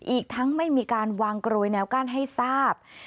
อีกทั้งไม่มีการวางกรวยแนวกั้นให้ทราบ